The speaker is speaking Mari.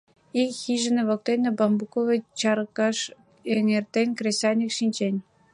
Ик хижине воктене, бамбуковый чаракыш эҥертен, кресаньык шинчен.